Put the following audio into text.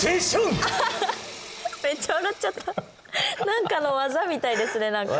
何かの技みたいですね何か。